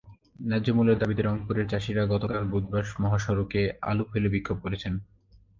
ন্যায্য মূল্যের দাবিতে রংপুরের চাষিরা গতকাল বুধবার মহাসড়কে আলু ফেলে বিক্ষোভ করেছেন।